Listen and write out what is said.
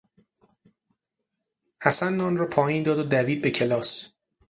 حسن نان را پایین داد و دوید به کلاس.